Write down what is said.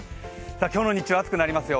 今日の日中暑くなりますよ。